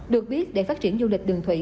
được biết để phát triển du lịch đường thủy